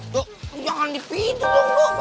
dok jangan dipindah